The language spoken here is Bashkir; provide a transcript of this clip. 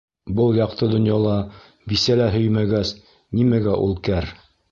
Был яҡты донъяла бисә лә һөймәгәс, нимәгә ул кәр?